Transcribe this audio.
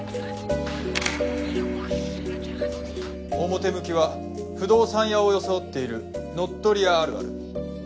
表向きは不動産屋を装っている乗っ取り屋あるある。